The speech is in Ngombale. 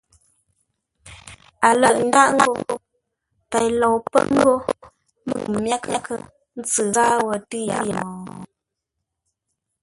A lə̂ʼ ńdáʼ ngô: Pei lou pə́ ńgó m myághʼə́ ntsʉ ghâa wo tʉ́ yaʼa mô?